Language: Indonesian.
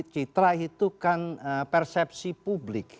citra itu kan persepsi publik